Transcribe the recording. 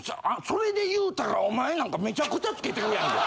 それで言うたらお前なんかめちゃくちゃつけてるやんけ。